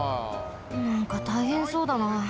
なんかたいへんそうだな。